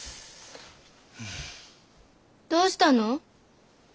どうしたの？